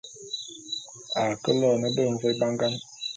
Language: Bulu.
A ke lone benvôé bangan .